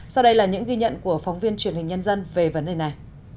sau đây là những ghi nhận của phóng viên truyền hình nhân dân về vấn đề này